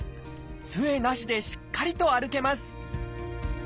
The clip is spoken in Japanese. つえなしでしっかりと歩けます！